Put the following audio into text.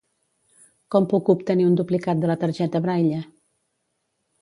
Com puc obtenir un duplicat de la targeta Braille?